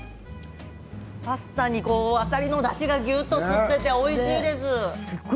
確かにあさりのだしがぎゅっとしていておいしいです。